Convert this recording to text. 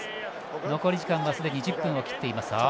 残り時間はすでに１０分を切っています。